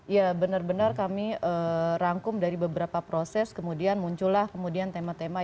ya benar benar kami rangkum dari beberapa proses kemudian muncullah kemudian tema tema